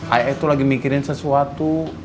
ay ay tuh lagi mikirin sesuatu